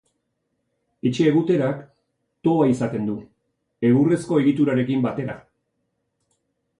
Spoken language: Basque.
Etxe-eguterak toba izaten du, egurrezko egiturarekin batera.